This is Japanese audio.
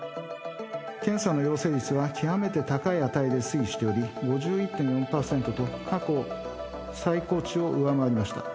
検査の陽性率は極めて高い値で推移しており、５１．４％と過去最高値を上回りました。